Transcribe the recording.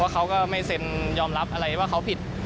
เขาก็ไม่เซ็นยอมรับอะไรว่าเขาผิด